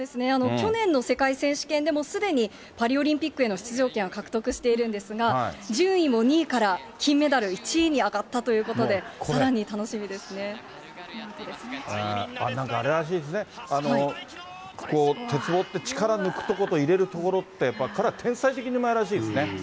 去年の世界選手権でもうすでにパリオリンピックへの出場権を獲得しているんですが、順位も２位から金メダル、１位に上がったということで、さらに楽なんかあれらしいですね、鉄棒って力抜くとこと入れるところって、彼は天才的にうまいらしいですね。